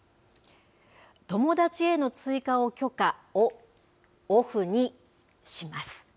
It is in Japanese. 友だちへの追加を許可をオフにします。